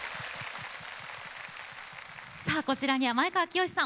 さあこちらには前川清さん